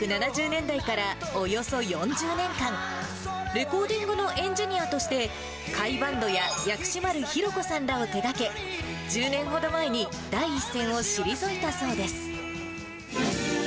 １９７０年代からおよそ４０年間、レコーディングのエンジニアとして、甲斐バンドや薬師丸ひろ子さんらを手がけ、１０年ほど前に第一線を退いたそうです。